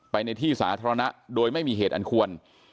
ในที่สาธารณะโดยไม่มีเหตุอันควร